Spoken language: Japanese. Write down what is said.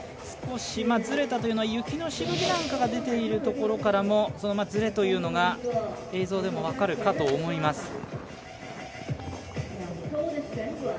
少し、ずれたというのは、雪のしぶきが出ているところからもそのずれというのが映像でも分かるかと思います。